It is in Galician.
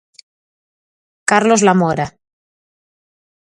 Carlos Lamora.